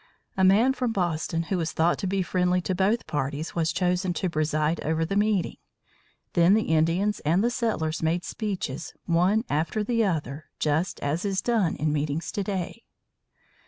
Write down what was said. A man from Boston, who was thought to be friendly to both parties, was chosen to preside over the meeting. Then the Indians and the settlers made speeches, one after the other, just as is done in meetings to day.